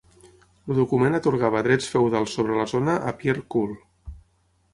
El document atorgava drets feudals sobre la zona a Pierre Coul.